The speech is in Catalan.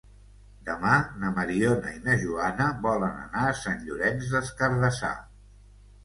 Demà na Mariona i na Joana volen anar a Sant Llorenç des Cardassar.